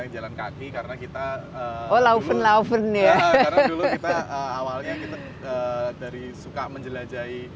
jalan kaki karena kita dulu kita awalnya kita dari suka menjelajahi